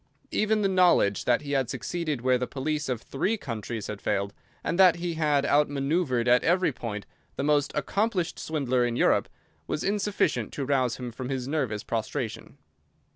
Even the knowledge that he had succeeded where the police of three countries had failed, and that he had outmanœuvred at every point the most accomplished swindler in Europe, was insufficient to rouse him from his nervous prostration.